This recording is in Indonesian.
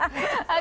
dia nyebut peran